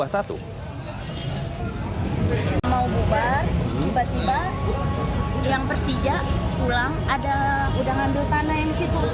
yang persija pulang ada udangan belutana yang disitu